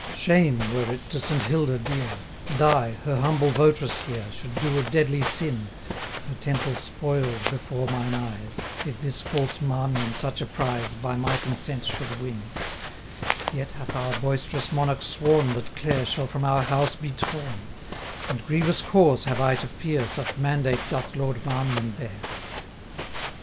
Shame were it to Saint Hilda dear, And I, her humble vot'ress here, Should do a deadly sin, 640 Her temple spoil'd before mine eyes, If this false Marmion such a prize By my consent should win; Yet hath our boisterous monarch sworn, That Clare shall from our house be torn; 645 And grievous cause have I to fear, Such mandate doth Lord Marmion bear.